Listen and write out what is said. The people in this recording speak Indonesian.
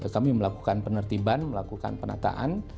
kami melakukan penertiban melakukan penataan